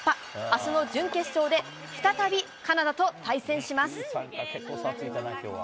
あすの準決勝で再び、カナダと対戦します。